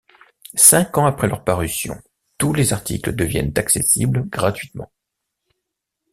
Cinq ans après leur parution, tous les articles deviennent accessibles gratuitement.